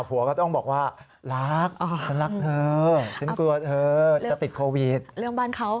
ผัวก็ต้องบอกว่ารักฉันรักเธอ